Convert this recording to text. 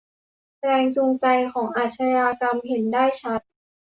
แรงจูงใจของอาชญากรรมเห็นได้ชัด